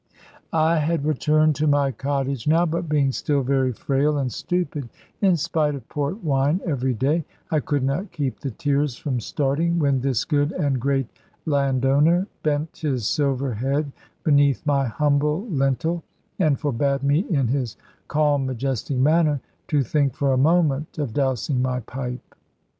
I had returned to my cottage now, but being still very frail and stupid, in spite of port wine every day, I could not keep the tears from starting, when this good and great landowner bent his silver head beneath my humble lintel, and forbade me in his calm majestic manner to think for a moment of dousing my pipe.